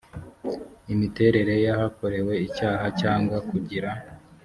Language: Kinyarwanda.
imiterere y ahakorewe icyaha cyangwa kugira